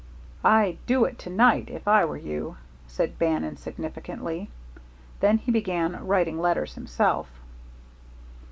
"I'd do it to night, if I were you," said Bannon, significantly. Then he began writing letters himself.